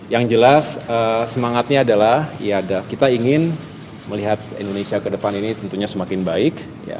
yang jelas semangatnya adalah kita ingin melihat indonesia ke depan ini tentunya semakin baik